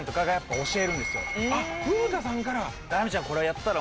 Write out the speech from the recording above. あっ古田さんから。